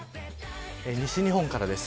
西日本からです。